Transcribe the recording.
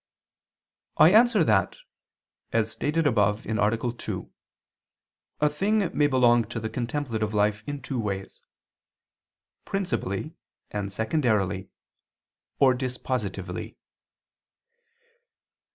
I answer that, As stated above (A. 2), a thing may belong to the contemplative life in two ways: principally, and secondarily, or dispositively.